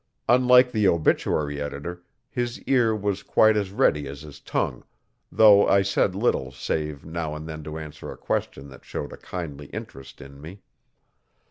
Unlike the obituary editor his ear was quite as ready as his tongue, though I said little save now and then to answer a question that showed a kindly interest in me.